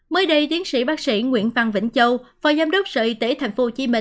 mới đây tiến sĩ bác sĩ nguyễn phan vĩnh châu phó giám đốc sở y tế tp hcm